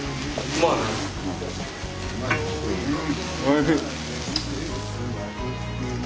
おいしい。